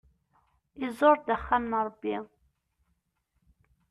Iẓur-d axxam n Ṛebbi.